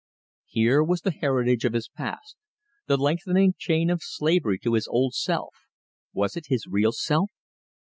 Here was the heritage of his past, the lengthening chain of slavery to his old self was it his real self?